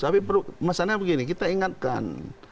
tapi masalahnya begini kita ingatkan